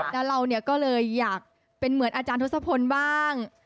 แล้วเราก็เลยอยากเป็นเหมือนอาจารย์ทศพลบ้าง